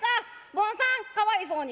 坊さんかわいそうに。